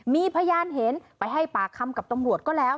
มีพยานเห็นไปให้ปากคำกับตำรวจก็แล้ว